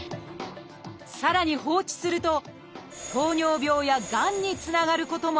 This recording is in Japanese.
さらに放置すると「糖尿病」や「がん」につながることもあるんです。